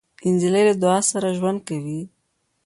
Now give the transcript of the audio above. نجلۍ له دعا سره ژوند کوي.